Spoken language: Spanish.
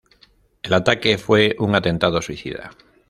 El ataque fue un atentado suicida.